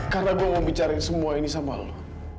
karena gue mau bicara semua ini sama lo